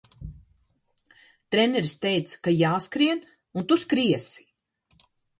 Treneris teica, ka jāskrien, un Tu skriesi!